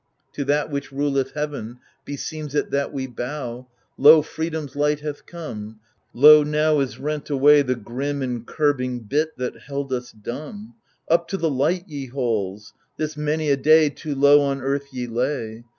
To that which ruleth heaven beseems it that we bow Lo, freedom's light hath come ! Lo, now is rent away The grim and curbing bit that held us dumb. Up to the light, ye halls ! this many a day Too low on earth ye lay.